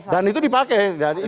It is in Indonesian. dan itu dipakai